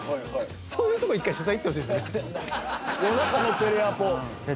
そういうとこ１回取材行ってほしいっすね